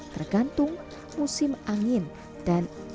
tergantung musim angin dan air